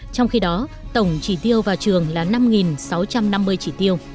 trong khi đó tổng chỉ tiêu vào trường là năm sáu trăm năm mươi chỉ tiêu